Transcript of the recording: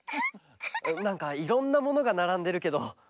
なんかいろんなものがならんでるけど。